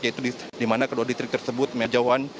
yaitu di mana kedua distrik tersebut menjauhan